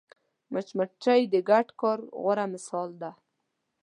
مچمچۍ د ګډ کار غوره مثال ده